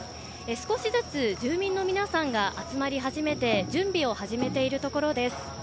少しずつ、住民の皆さんが集まり始めて準備を始めているところです。